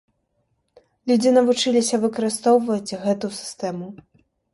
Людзі навучыліся выкарыстоўваць гэту сістэму.